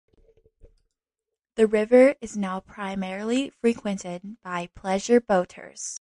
The river is now primarily frequented by pleasure boaters.